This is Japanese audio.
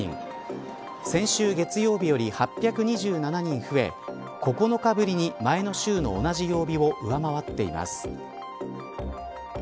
先週月曜日より８２７人増え９日ぶりに前の週の同じ曜日を上回っています。